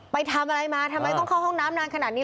ไปทำอะไรมาทำไมต้องเข้าห้องน้ำนานขนาดนี้